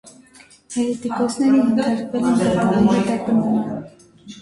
Հերետիկոսներըը ենթարկվել են կատաղի հետապնդման։